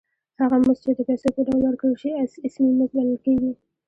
هغه مزد چې د پیسو په ډول ورکړل شي اسمي مزد بلل کېږي